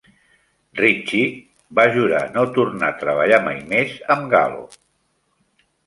Ricci va jurar no tornar a treballar mai més amb Gallo.